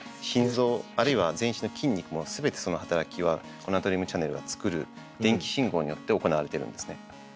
心臓あるいは全身の筋肉も全てその働きはこのナトリウムチャネルが作る電気信号によって行われてるんですね。